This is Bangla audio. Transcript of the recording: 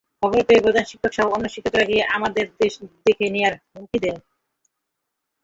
খবর পেয়ে প্রধান শিক্ষকসহ অন্য শিক্ষকেরা গিয়ে আমাদের দেখে নেওয়ার হুমকি দেন।